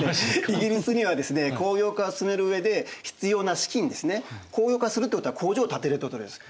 イギリスにはですね工業化を進める上で必要な資金ですね工業化するってことは工場を建てるってことです。